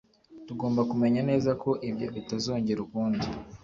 Tugomba kumenya neza ko ibyo bitazongera ukundi.